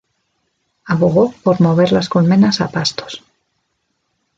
Abogó por mover las colmenas a pastos.